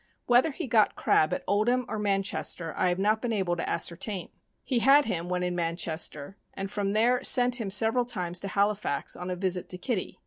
Whether he got Crab at Oldham or Manchester I have not been able to ascertain. He had him when in Manchester, and from there sent him several times to Halifax on a visit to Kitty.